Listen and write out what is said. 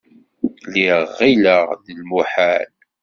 Lliɣ ɣilleɣ d lmuḥal.